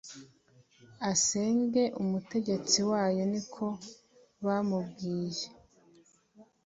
asenge Umutegetsi wayo ni ko bamubwiye